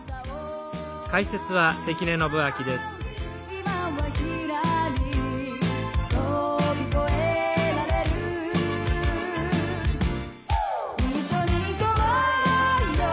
「今はひらり」「飛び越えられる」「一緒に行こうよ」